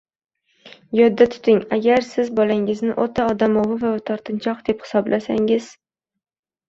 Yodda tuting. Agar siz bolangizni o‘ta odamovi va tortinchoq deb hisoblasangiz